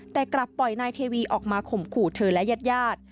แต่กลับปล่อยนายเทวีออกมาข่มขู่เธอและญาติญาติ